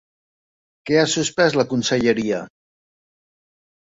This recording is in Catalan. Què ha suspès la conselleria?